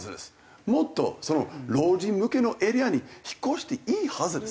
もっと老人向けのエリアに引っ越していいはずです。